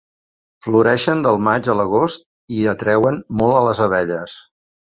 Floreixen del maig a l'agost i atreuen molt a les abelles.